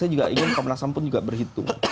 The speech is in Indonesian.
saya juga ingin komnas ham pun juga berhitung